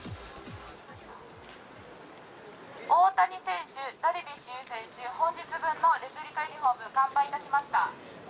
大谷選手、ダルビッシュ有選手、本日分のレプリカユニホーム完売いたしました。